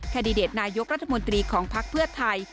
แดดิเดตนายกรัฐมนตรีของภักดิ์เพื่อไทย